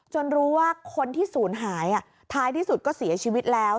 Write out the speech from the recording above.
รู้ว่าคนที่ศูนย์หายท้ายที่สุดก็เสียชีวิตแล้ว